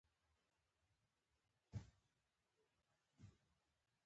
تر ټولو مهم څه هڅه کول دي دا حقیقت دی.